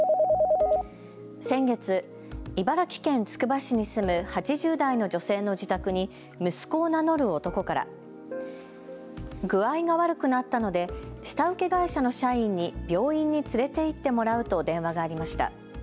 先月、茨城県つくば市に住む８０代の女性の自宅に息子を名乗る男から具合が悪くなったので下請け会社の社員に病院に連れて行ってもらうと電話がありました。